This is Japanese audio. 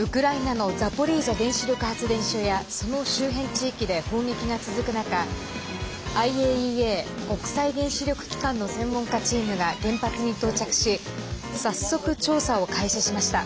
ウクライナのザポリージャ原子力発電所やその周辺地域で砲撃が続く中ＩＡＥＡ＝国際原子力機関の専門家チームが原発に到着し早速、調査を開始しました。